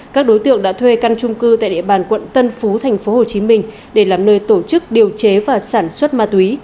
các đối tượng đã thuê căn trung cư tại địa bàn quận tân phú tp hcm để làm nơi tổ chức điều chế và sản xuất ma túy